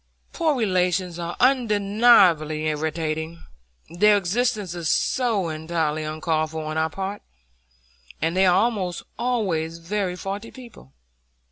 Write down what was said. Poor relations are undeniably irritating,—their existence is so entirely uncalled for on our part, and they are almost always very faulty people.